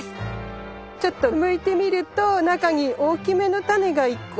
ちょっとむいてみると中に大きめのタネが１個。